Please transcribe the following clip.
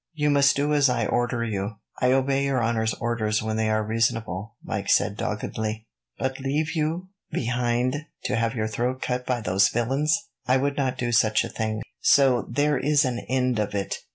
"You must do as I order you." "I obey your honour's orders when they are reasonable," Mike said doggedly; "but leave you behind, to have your throat cut by those villains! I would not do such a thing, so there is an end of it."